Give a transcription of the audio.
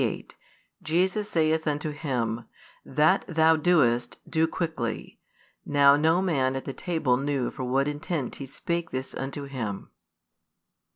28 Jesus saith unto him, That thou doest, do quickly. Now no man at the table knew for what intent He spake this unto him.